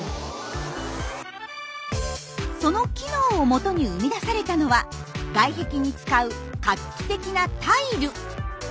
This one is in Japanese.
その機能をもとに生み出されたのは外壁に使う画期的なタイル。